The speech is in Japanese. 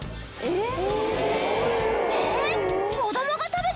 えっ？